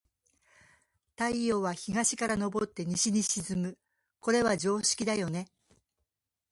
太陽は、東から昇って西に沈む。これは常識だよね。